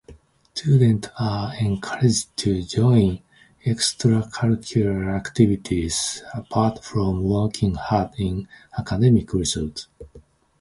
Students are encouraged to join extracurricular activities apart from working hard in academic results.